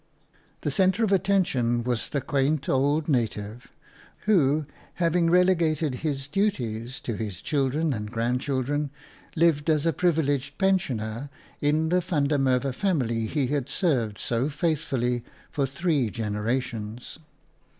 The centre of attention was the quaint old native, who, having relegated his duties to his children and grandchildren, lived as a privileged pensioner in the van der Merwe family he had served so faithfully for three generations.